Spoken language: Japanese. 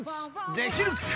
できるか？